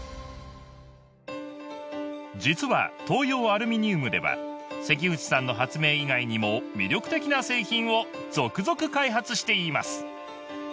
実は東洋アルミニウムでは関口さんの発明以外にも魅力的な製品を続々開発しています